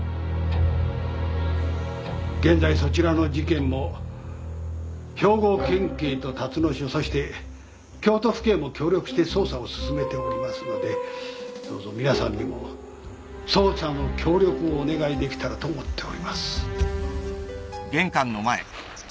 現在そちらの事件も兵庫県警とたつの署そして京都府警も協力して捜査を進めておりますのでどうぞ皆さんにも捜査の協力をお願いできたらと思っております。